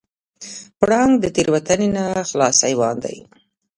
پړانګ د تېروتنې نه خلاص حیوان دی.